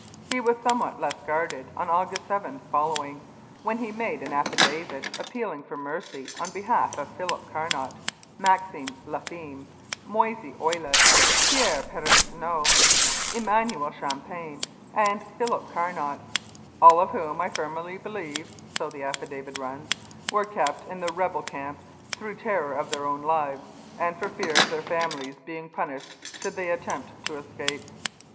He was somewhat less guarded on August 7 following, when he made an affidavit appealing for mercy on behalf of Philip Carnot, Maxime Lafime, Moise Ouilette, Pierre Parenteau, Emmanuel Champagne, and Philip Carnot, "All of whom I firmly believe (so the affidavit runs) were kept in the rebel camp through terror of their own lives and for fear of their families being punished should they attempt to escape."